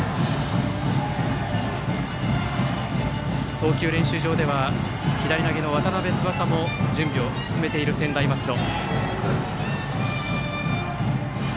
投球練習場では左投げの渡邉翼も準備を進めている専大松戸。